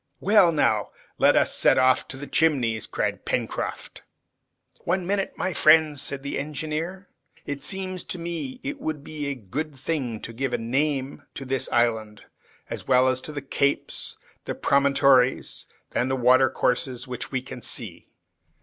"Well, now let us set off to the Chimneys!" cried Pencroft. "One minute, my friends," said the engineer. "It seems to me it would be a good thing to give a name to this island, as well as to, the capes, promontories, and watercourses, which we can see.